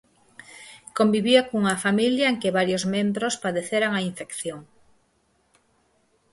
Convivía cunha familia en que varios membros padeceran a infección.